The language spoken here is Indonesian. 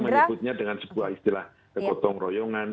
menyebutnya dengan sebuah istilah kegotong royongan